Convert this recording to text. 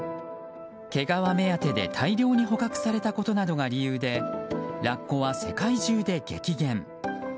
毛皮目当てで大量に捕獲されたことなどが理由でラッコは世界中で激減。